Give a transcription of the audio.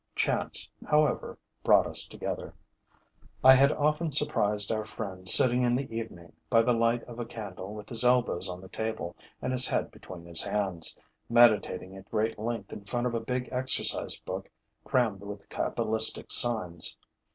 Chance, however, brought us together. I had often surprised our friend sitting in the evening, by the light of a candle, with his elbows on the table and his head between his hands, meditating at great length in front of a big exercise book crammed with cabalistic signs.